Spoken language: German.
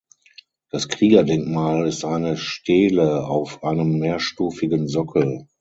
Das Kriegerdenkmal ist eine Stele auf einem mehrstufigen Sockel.